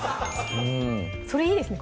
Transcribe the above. それいいですね